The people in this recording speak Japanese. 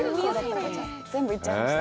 全部、行っちゃいました。